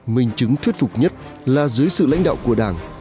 mình chứng thuyết phục nhất là dưới sự lãnh đạo của đảng